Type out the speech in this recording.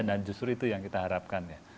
justru itu yang kita harapkan ya